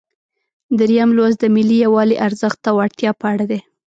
دریم لوست د ملي یووالي ارزښت او اړتیا په اړه دی.